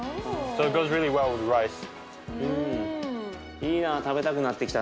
いいな食べたくなってきたな。